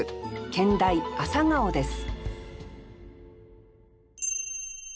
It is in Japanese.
兼題「朝顔」です